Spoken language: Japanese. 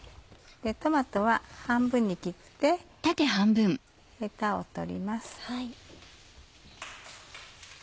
トマトは半分に切ってヘタを取ります。